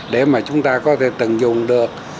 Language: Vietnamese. để mà chúng ta có thể tận dụng được